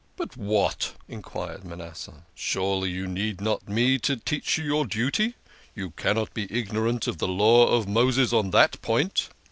" But what? " enquired Manasseh. " Surely you need not me to teach you your duty. You cannot be ignorant of the Law of Moses on the point."